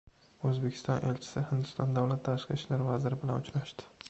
O‘zbekiston elchisi Hindiston davlat tashqi ishlar vaziri bilan uchrashdi